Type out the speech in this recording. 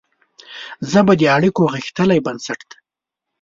ژبه د اړیکو غښتلی بنسټ دی